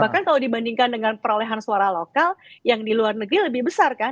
bahkan kalau dibandingkan dengan perolehan suara lokal yang di luar negeri lebih besar kan